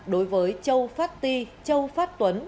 đối với châu phát ti châu phát tuấn